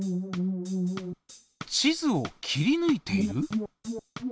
地図を切りぬいている？